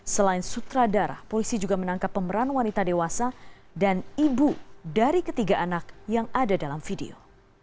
selain sutradara polisi juga menangkap pemeran wanita dewasa dan ibu dari ketiga anak yang ada dalam video